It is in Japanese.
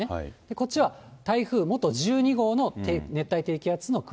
こっちは台風元１２号の熱帯低気圧の雲。